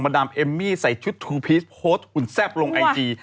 ดามเอมมี่ใส่ชุดทูพีชโพสต์หุ่นแซ่บลงไอจี